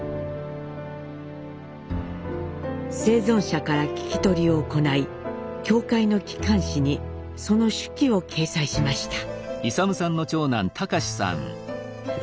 生存者から聞き取りを行い教会の機関紙にその手記を掲載しました。